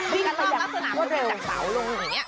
ดิฉันว่ารักษณะมันเป็นจากเสาลงอย่างนี้